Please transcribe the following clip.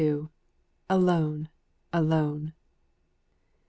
ALONE! ALONE!